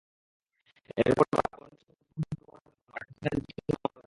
এরপর তাঁরা বন্ডের শতভাগ মূল্য পাওয়ার জন্য আর্জেন্টিনার বিরুদ্ধে মামলা করেন।